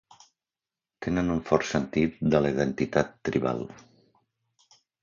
Tenen un fort sentit de la identitat tribal.